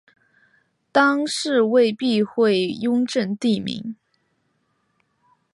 当是为避讳雍正帝名。